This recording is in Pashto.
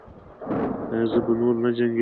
ایا زه به نور نه جنګیږم؟